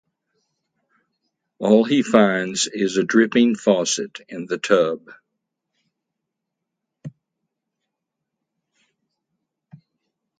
All he finds is a dripping faucet in the tub.